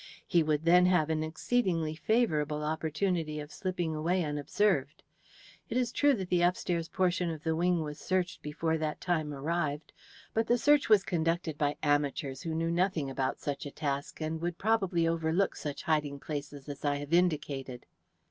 He would then have an exceedingly favourable opportunity of slipping away unobserved. It is true that the upstairs portion of the wing was searched before that time arrived, but the search was conducted by amateurs who knew nothing about such a task, and would probably overlook such hiding places as I have indicated."